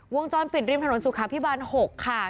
วงจรปิดริมถนนสุขาพิบาล๖ค่ะ